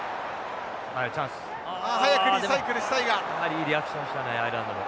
いいリアクションでしたねアイルランドも。